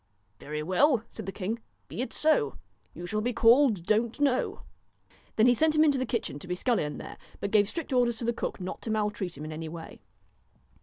' Very well,' said the king, ' be it so. You shall be called Don't know.' Then he sent him into the kitchen to be scullion there, but gave strict orders to the cook not to maltreat him in any way.